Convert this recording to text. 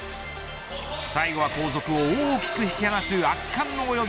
最後は後続を大きく引き離す圧巻の泳ぎ。